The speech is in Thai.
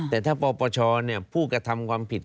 แต่ถ้าปปชผู้กระทำความผิด